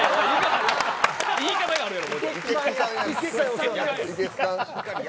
言い方があるやろ！